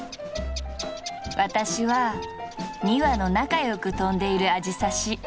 私は２羽の仲良く飛んでいるアジサシ。